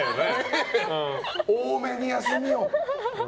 多めに休みを！